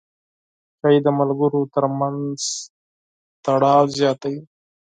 چای د ملګرو ترمنځ تړاو زیاتوي.